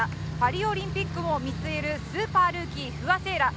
パリオリンピックを見据えるスーパールーキー不破聖衣来。